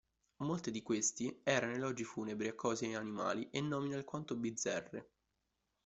Molti di questi erano elogi funebri a cose e animali e, nomine alquanto bizzarre.